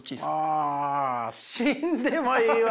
あ死んでもいいは。